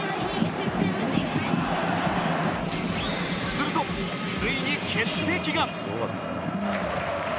するとついに決定機が！